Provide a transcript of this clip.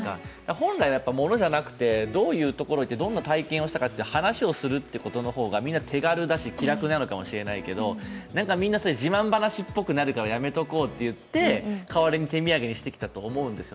本来、やっぱりものじゃなくてどういうところに行ってどんな体験をしたかという話をする方が手軽だし気楽なのかもしれないですけど、自慢話っぽくなるからやめておこうといって、代わりに手土産にしてきたと思うんですよ。